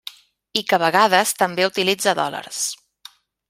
I que a vegades també utilitza dòlars.